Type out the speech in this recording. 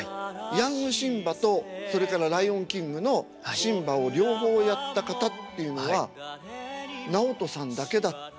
ヤングシンバとそれから「ライオンキング」のシンバを両方やった方っていうのは直人さんだけだって。